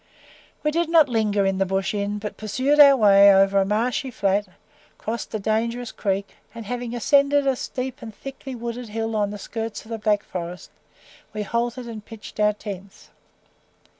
We did not linger in the "Bush Inn," but pursued our way over a marshy flat, crossed a dangerous creek, and having ascended a steep and thickly wooded hill on the skirts of the Black Forest, we halted and pitched our tents.